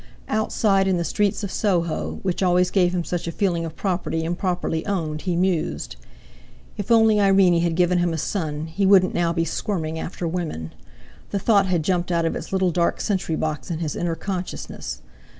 Outside in the streets of Soho, which always gave him such a feeling of property improperly owned, he mused. If only Irene had given him a son, he wouldn't now be squirming after women! The thought had jumped out of its little dark sentry box in his inner consciousness.